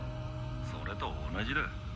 それと同じだ。